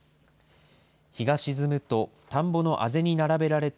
日が沈むと田んぼのあぜに並べられた